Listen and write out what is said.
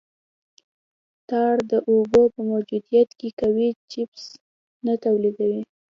ټار د اوبو په موجودیت کې قوي چسپش نه تولیدوي